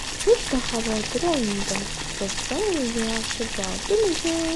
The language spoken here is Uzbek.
— Juda xavotir oldim, do‘stim uyiga yaxshi bordimikin deb?